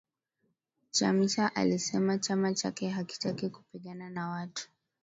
Chamisa alisema chama chake hakitaki kupigana na watu.